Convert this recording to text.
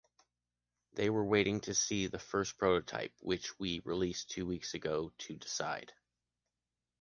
They were waiting to see the first prototype, which we released two weeks ago, to decide.